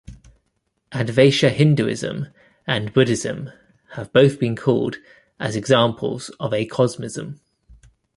Advaita Hinduism and Buddhism have both been called as examples of acosmism.